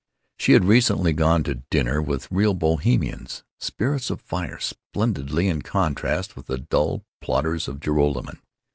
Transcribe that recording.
She had recently gone to dinner with real Bohemians, spirits of fire, splendidly in contrast with the dull plodders of Joralemon.